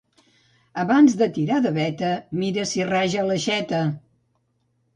Abans de tirar de veta mira si raja l'aixeta.